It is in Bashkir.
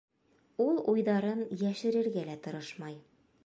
Ул уйҙарын йәшерергә лә тырышмай.